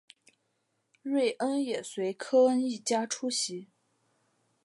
瑞恩也随科恩一家出席。